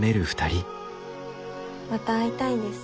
また会いたいです